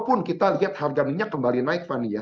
walaupun kita lihat harga minyak kembali naik fanny ya